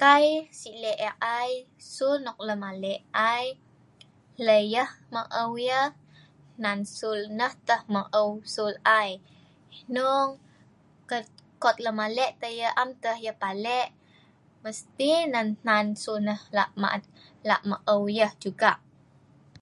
kai si' le' eek ai, sul nok lemale' ai, hlei yah maou yah, hnan sul nah tah maou sul ai, hnung [unintelligible] kout lemale' tah yah am tah yah pale' mesti nan hnan sul nah la' [unintelligible] la' maou yah juga